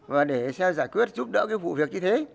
và để giải quyết giúp đỡ cái vụ việc như thế